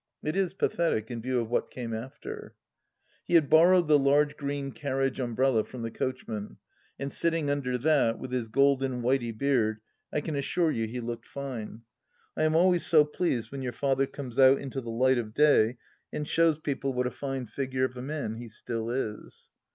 It is pathetic, in view of what came after 1 He had borrowed the large green carriage umbrella from the coachman, and sitting under that, with his golden whitey beard, I can assure you he looked fine. I am always so pleased when your father comes out into the light of day and shows people what a fine figure of a man he still is.